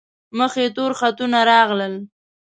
مخ یې تور خطونه راغلل.